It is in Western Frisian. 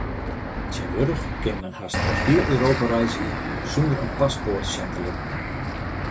Tsjintwurdich kin men hast troch hiel Europa reizgje sûnder in paspoart sjen te litten.